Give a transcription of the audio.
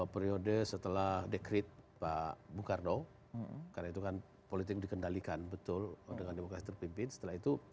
periode setelah dekret pak bung karno karena itu kan politik dikendalikan betul dengan demokrasi terpimpin setelah itu